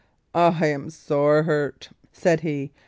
"I am sore hurt," said he.